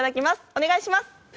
お願いします。